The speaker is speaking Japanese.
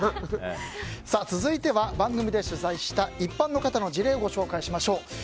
続いては、番組で取材した一般の方の事例ご紹介しましょう。